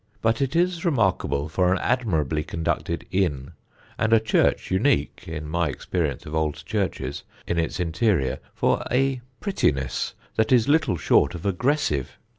But it is remarkable for an admirably conducted inn and a church unique (in my experience of old churches) in its interior for a prettiness that is little short of aggressive.